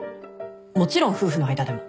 もちろん夫婦の間でも。